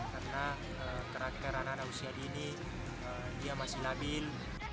karena kerangka ranana usia dini dia masih labil